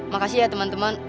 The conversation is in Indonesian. makasih ya teman teman